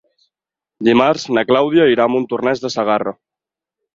Dimarts na Clàudia irà a Montornès de Segarra.